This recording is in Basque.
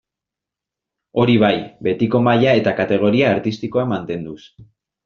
Hori bai, betiko maila eta kategoria artistikoa mantenduz.